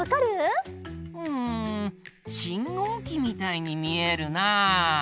うんしんごうきみたいにみえるな。